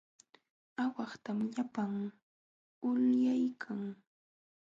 Aawahtam llapan ulyaykan.